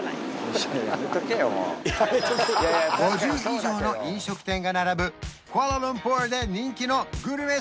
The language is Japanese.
５０以上の飲食店が並ぶクアラルンプールで人気のグルメ